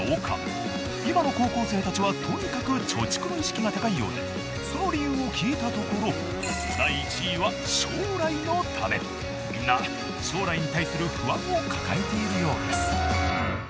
今の高校生たちはとにかく貯蓄の意識が高いようでその理由を聞いたところみんな将来に対する不安を抱えているようです。